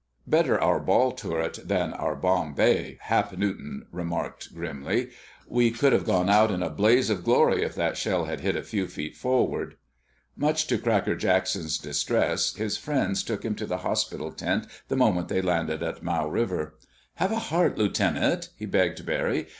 "Better our ball turret than our bomb bay!" Hap Newton remarked grimly. "We could have gone out in a blaze of glory if that shell had hit a few feet forward." Much to Cracker Jackson's distress, his friends took him to the hospital tent the moment they landed at Mau River. "Have a heart, Lieutenant!" he begged Barry.